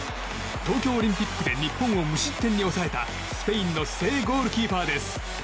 東京オリンピックで日本を無失点に抑えたスペインの正ゴールキーパーです。